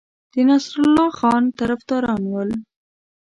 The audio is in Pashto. د نصرالله خان طرفداران ول.